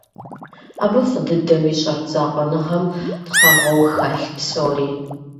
Абы фӀы дыдэу ищӀэрт закъуэныгъэм «тхъэгъуэу» хэлъ псори.